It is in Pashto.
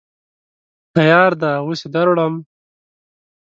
_تيار دی، اوس يې دروړم.